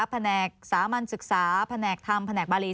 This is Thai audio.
แผนกสามัญศึกษาแผนกธรรมแผนกบารี